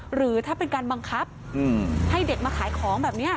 หรือถ้าเป็นการบังคับให้เด็กมาขายของแบบนี้